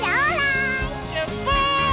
しゅっぱつ！